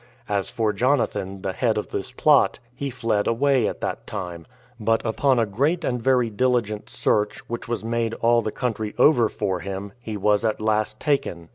As for Jonathan, the head of this plot, he fled away at that time; but upon a great and very diligent search, which was made all the country over for him, he was at last taken.